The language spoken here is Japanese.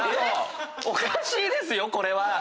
おかしいですよこれは！